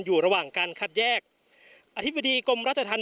พร้อมด้วยผลตำรวจเอกนรัฐสวิตนันอธิบดีกรมราชทัน